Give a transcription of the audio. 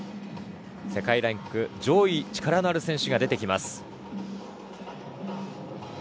世界ランク上位の力のある選手が出てきます。